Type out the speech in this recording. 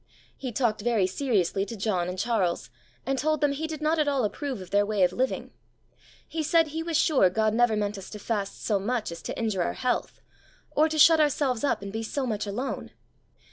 He talked very seriously to John and Charles, and told them he did not at all approve of their way of living. He said he was sure God never meant us to fast so much as to injure our health, or to shut ourselves up and be so much alone.